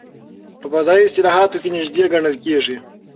په فضایي اصطلاحاتو کې نژدې ګڼل کېږي.